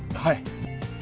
はい。